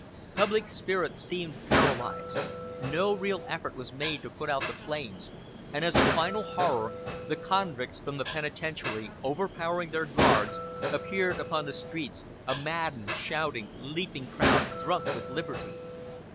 Public spirit seemed paralyzed; no real effort was made to put out the flames, and as a final horror, the convicts from the penitentiary, overpowering their guards, appeared upon the streets, a maddened, shouting, leaping crowd, drunk with liberty.